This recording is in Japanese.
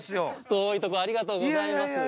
遠い所ありがとうございます。